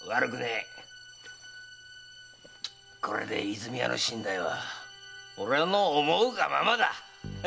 これで和泉屋の身代は俺の思うがままだ！